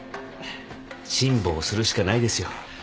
辛抱するしかないですよ。